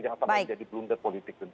jangan sampai menjadi blunder politik